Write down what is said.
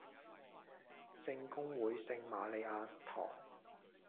聖公會聖馬利亞堂